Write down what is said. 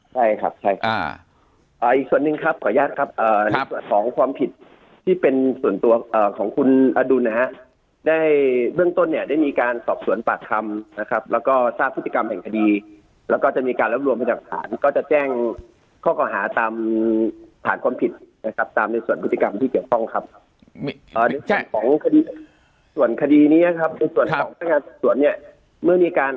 ใช่ครับใช่ครับอ่าอีกส่วนหนึ่งครับขออนุญาตครับอ่าครับส่วนส่วนส่วนความผิดที่เป็นส่วนตัวของคุณอดูนนะฮะได้เรื่องต้นเนี้ยได้มีการสอบสวนปากคำนะครับแล้วก็ทราบพฤติกรรมแห่งคดีแล้วก็จะมีการรับรวมมาจากฐานก็จะแจ้งข้อความหาตามผ่านความผิดนะครับตามในส่วนพฤติกรรมที่เกี่ยวต้องคร